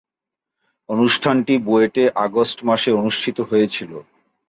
অনুষ্ঠানটি বুয়েটে আগস্ট মাসে অনুষ্ঠিত হয়েছিলো।